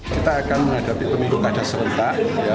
kita akan menghadapi pemilu kada serentak